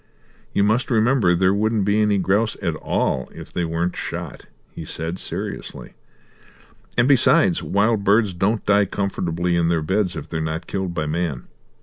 "You must remember there wouldn't be any grouse at all if they weren't shot," he said seriously, "and besides, wild birds don't die comfortably in their beds if they're not killed by man.